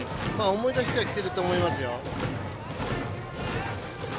思い出してきているとは思いますよ。